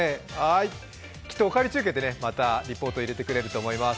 きっと「おかわり中継」でまたリポートを入れてくれると思います。